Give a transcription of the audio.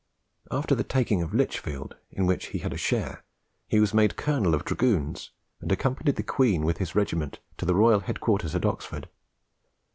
After the taking of Lichfield, in which he had a share, he was made Colonel of Dragoons, and accompanied the Queen with his regiment to the royal head quarters at Oxford.